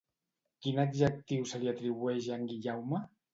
Quin adjectiu se li atribueix a en Guillaume?